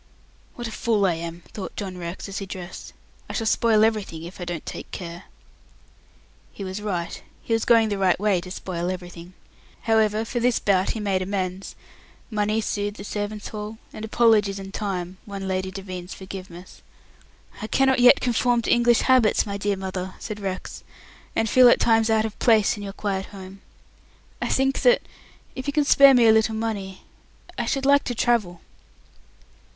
"What a fool I am," thought John Rex, as he dressed. "I shall spoil everything if I don't take care." He was right. He was going the right way to spoil everything. However, for this bout he made amends money soothed the servants' hall, and apologies and time won Lady Devine's forgiveness. "I cannot yet conform to English habits, my dear mother," said Rex, "and feel at times out of place in your quiet home. I think that if you can spare me a little money I should like to travel."